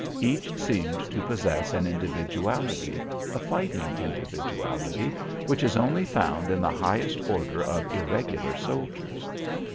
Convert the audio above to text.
Each seemed to possess an individuality, a fighting individuality, which is only found in the highest order of irregular soldiers.